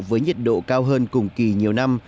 với nhiệt độ cao hơn cùng kỳ nhiều năm